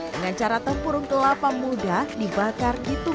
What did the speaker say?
dengan cara tempurung kelapa muda di batang